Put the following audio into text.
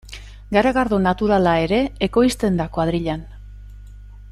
Garagardo naturala ere ekoizten da kuadrillan.